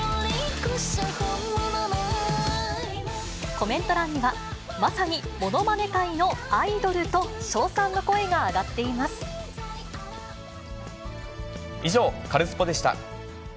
コメント欄には、まさにものまね界のアイドルと、以上、カルスポっ！でした。